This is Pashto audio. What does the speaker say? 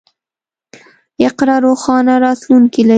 اقرا روښانه راتلونکی لري.